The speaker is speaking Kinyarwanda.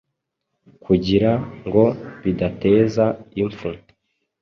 kugira ngo bidateza imfu